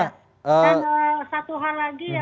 dan satu hal lagi yang juga berbahaya